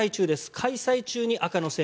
開催中に赤の線